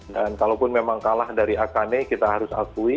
dan kalaupun memang kalah dari akane kita harus asuhi